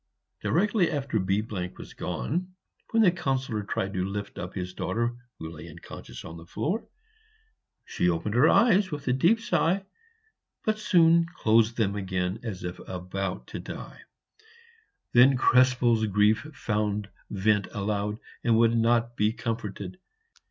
Directly after B was gone, when the Councillor tried to lift up his daughter, who lay unconscious on the floor, she opened her eyes with a deep sigh, but soon closed them again as if about to die. Then Krespel's grief found vent aloud, and would not be comforted.